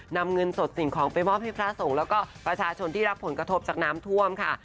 นำเงินสดสิ่งของไปมอบให้พระสงฆ์แล้วก็ประชาชนที่รับผลกระทบจากน้ำท่วมค่ะ